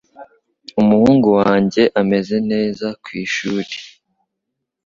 Umuhungu wanjye ameze neza kwishuri.